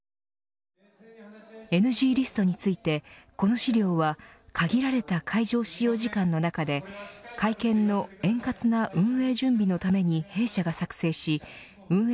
ＮＧリストについてこの資料は限られた会場使用時間の中で会見の円滑な運営準備のために弊社が作成し運営